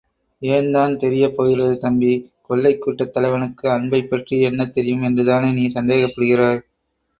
ஏன்தான் தெரியப் போகிறது? தம்பி, கொள்ளைக் கூட்டத் தலைவனுக்கு அன்பைப் பற்றி என்ன தெரியும் என்றுதானே நீ சந்தேகப்படுகிறாய்?